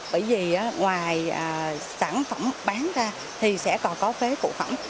bởi vì ngoài sản phẩm bán ra thì sẽ còn có phế cụ phẩm